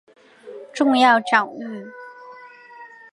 重要奖誉